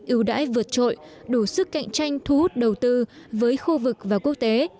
ưu đãi vượt trội đủ sức cạnh tranh thu hút đầu tư với khu vực và quốc tế